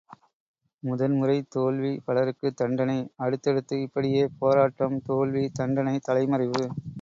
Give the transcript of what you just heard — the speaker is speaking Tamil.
முதன் முறை தோல்வி, பலருக்குத் தண்டனை அடுத்தடுத்து இப்படியே, போராட்டம், தோல்வி, தண்டனை, தலை மறைவு.